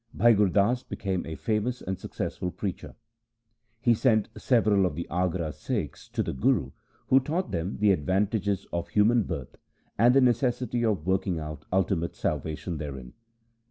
Bhai Gur Das be came a famous and successful preacher. He sent several of the Agra Sikhs to the Guru, who taught them the advantages of human birth and the neces sity of working out ultimate salvation therein.